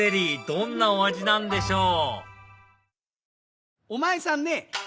どんなお味なんでしょう？